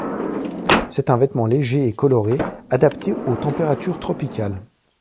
C'est un vêtement léger et coloré, adapté aux températures tropicales.